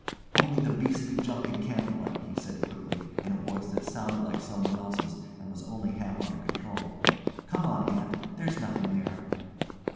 "Only the beastly jumping candle light," he said quickly, in a voice that sounded like someone else's and was only half under control. "Come on, aunt. There's nothing there."